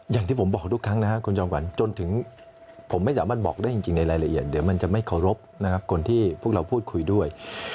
อย่างที่ผมบอกทุกครั้งนะครับคุณจอมขวัญจนถึงผมไม่สามารถบอกได้จริงในรายละเอียดเดี๋ยวมันจะไม่เคารพนะครับคนที่พวกเราพูดคุยด้วย